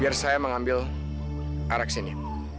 biar saya mengambil arak sini